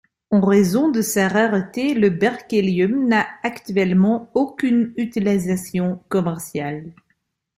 En raison de sa rareté, le berkélium n'a actuellement aucune utilisation commerciale.